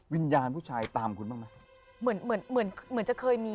วิญญาณผู้ชายตามคุณบ้างไหม